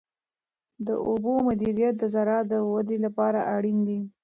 د اوبو مدیریت د زراعت د ودې لپاره اړین دی.